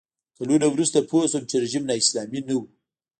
کلونه وروسته پوه شوم چې رژیم نا اسلامي نه و.